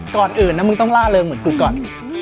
ก่อนอื่นนะมึงต้องล่าเริงเหมือนกูก่อน